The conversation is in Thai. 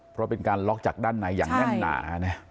เพราะเป็นการล็อกจากด้านในอย่างแน่นหนานะ